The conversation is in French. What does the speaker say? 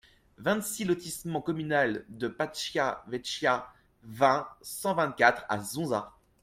vingt-six lotissement Communal de Pascia Vecchia, vingt, cent vingt-quatre à Zonza